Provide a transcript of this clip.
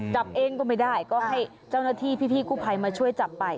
ก็ก็ไม่ได้ก็ก็ให้เจ้านาทีพี่พี่กู่พัยมาช่วยจับไป